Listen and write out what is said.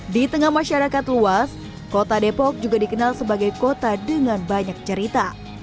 di tengah masyarakat luas kota depok juga dikenal sebagai kota dengan banyak cerita